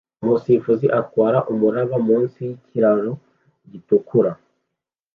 Umusifuzi atwara umuraba munsi yikiraro gitukura